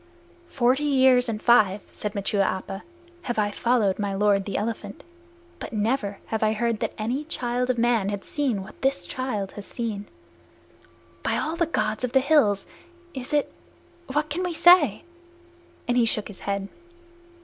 "Forty years and five," said Machua Appa, "have I followed my lord, the elephant, but never have I heard that any child of man had seen what this child has seen. By all the Gods of the Hills, it is what can we say?" and he shook his head.